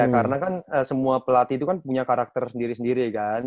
karena kan semua pelatih itu kan punya karakter sendiri sendiri kan